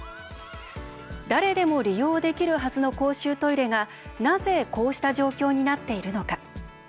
誰でも利用できるはずの公衆トイレが、なぜこうした状況になっているのか。